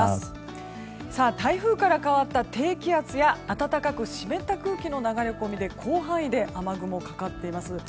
台風から変わった低気圧や暖かく湿った空気の流れ込みで広範囲で雨雲がかかっています。